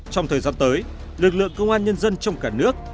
trong thời gian tới lực lượng công an nhân dân trong cả nước